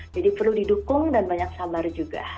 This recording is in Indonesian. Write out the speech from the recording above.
jadi perlu didukung dan banyak sabar juga